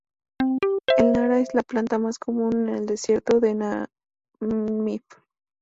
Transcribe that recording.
El nara es la planta más común en el desierto de Namib.